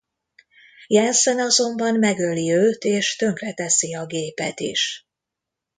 Jensen azonban megöli őt és tönkreteszi a gépet is.